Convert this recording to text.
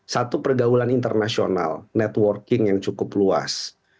satu pergaulan internasional networking yang cukup luas